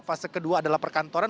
fase kedua adalah perkantoran